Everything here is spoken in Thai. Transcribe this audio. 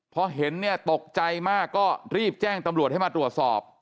พอเห็นเนี่ยตกใจมากก็รีบแจ้งตำรวจให้มาตรวจสอบ